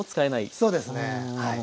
そうですねはい。